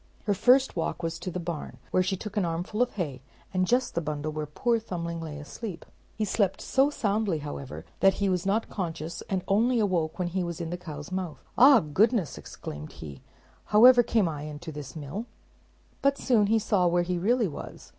Her first walk was to the barn, where she took an armful of hay, and just the bundle where poor Thumbling lay asleep. He slept so soundly, however, that he was not conscious, and only awoke when he was in the cow's mouth. "Ah, goodness!" exclaimed he, "however came I into this mill?" but soon he saw where he really was.